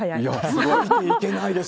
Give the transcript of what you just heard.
ついていけないです。